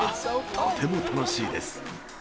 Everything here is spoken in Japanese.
とても楽しいです！